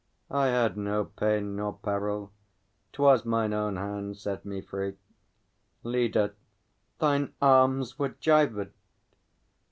I had no pain nor peril; 'twas mine own hand set me free. LEADER. Thine arms were gyvèd!